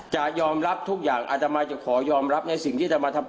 จะยอมรับทุกอย่างอาตมาจะขอยอมรับในสิ่งที่จะมาทำ